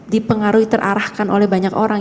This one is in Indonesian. dipengaruhi terarahkan oleh banyak orang